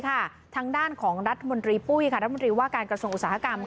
ทางด้านของรัฐมนตรีปุ้ยรัฐมนตรีว่าการกระทรวงอุตสาหกรรม